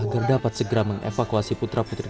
agar dapat segera mengevakuasi putra putri